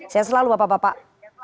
saya selalu bapak bapak